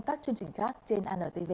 các chương trình khác trên anntv